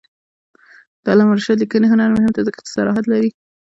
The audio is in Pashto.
د علامه رشاد لیکنی هنر مهم دی ځکه چې صراحت لري.